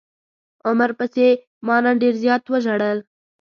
عمر پسې ما نن ډير زيات وژړل.